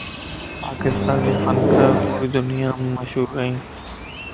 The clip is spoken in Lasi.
پاڪستاني فنڪارَ پوري دنيامَ مشھور ائين.